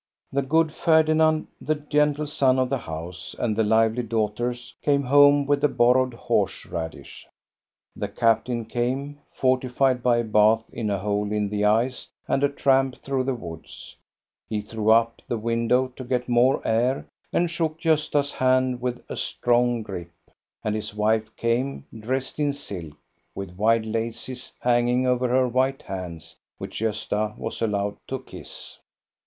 The good Ferdinand, the gentle son of the house, and the lively daughters came home with the bor rowed horse radish. The captain came, fortified by a bath in a hole in the ice and a tramp through the 66 THE STORY OF GOSTA BE RUNG woods. He threw up the window to get more air, and shook Gosta's hand with a strong grip. And his wife came, dressed in silk, with wide laces hanging over her white hands, which Gosta was allowed to kiss.